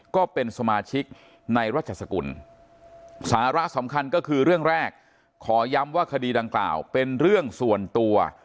ก็เป็นสมาชิกในรัชสกุลสาระสำคัญก็คือเรื่องแรกขอย้ำว่าคดีดังกล่าวเป็นเรื่องส่วนตัว